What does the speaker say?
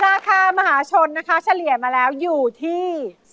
มหาชนนะคะเฉลี่ยมาแล้วอยู่ที่